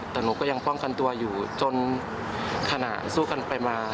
แต่หนูก็ยังป้องกันตัวอยู่จนขนาดสู้กันไปมา